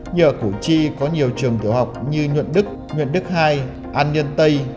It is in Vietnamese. nhờ củ chi có nhiều trường tiểu học như nhuận đức nhuận đức hai an niên tây